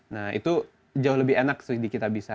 nah itu jauh lebih enak di kita bisa